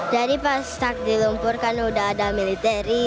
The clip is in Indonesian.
jadi pas stuck di lumpur kan udah ada militeri